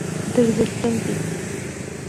Дырзыртәымтәит.